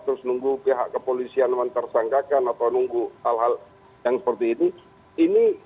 terus nunggu pihak kepolisian mentersangkakan atau nunggu hal hal yang seperti ini